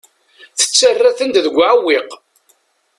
Yettarra-tent deg uɛewwiq.